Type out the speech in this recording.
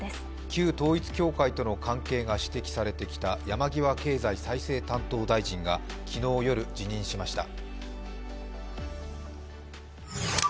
旧統一教会との関係が指摘されてきた山際経済再生担当大臣が昨日夜、辞任しました。